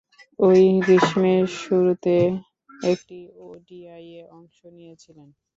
ঐ গ্রীষ্মের শুরুতে একটি ওডিআইয়ে অংশ নিয়েছিলেন।